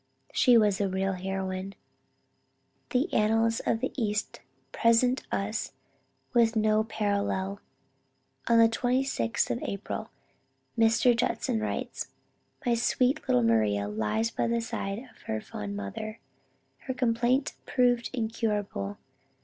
She was the real heroine. The annals in the East present us with no parallel." On the 26th of April, Mr. Judson writes, "My sweet little Maria lies by the side of her fond mother. Her complaint proved incurable.